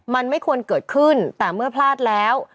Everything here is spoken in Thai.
มันไม่ควรเกิดขึ้นแต่เมื่อพลาดแล้ว